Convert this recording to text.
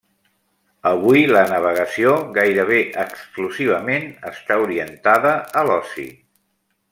Avui la navegació gairebé exclusivament està orientada a l'oci.